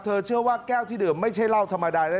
เชื่อว่าแก้วที่ดื่มไม่ใช่เหล้าธรรมดานะ